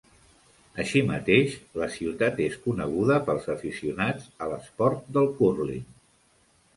Així mateix, la ciutat és coneguda pels aficionats a l'esport del curling.